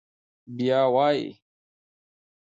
بيا وايي: